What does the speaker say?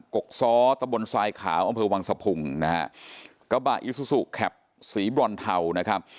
กกซ้อตะบนทรายขาวอำเภอวังสะพุงนะฮะกระบะอิซูซูแคปสีบรอนเทานะครับ